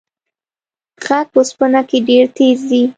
غږ په اوسپنه کې ډېر تېز ځي.